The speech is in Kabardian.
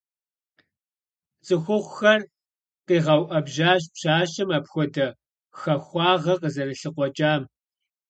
ЦӀыхухъухэр къигъэуӀэбжьащ пщащэм апхуэдэ хахуагъэ къызэрылъыкъуэкӀам.